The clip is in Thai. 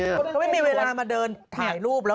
เขาไม่มีเวลามาเดินถ่ายรูปหรอ